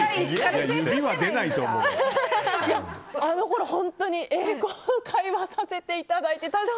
これ、本当に英会話させていただいて。